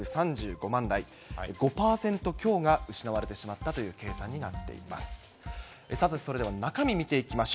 ５％強が失われてしまったという計算になっています。